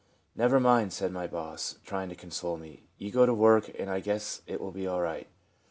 " Never mind," said my boss, trying to console me ;" you go to work and I guess it will be all right."